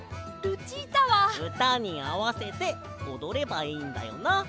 うたにあわせておどればいいんだよな？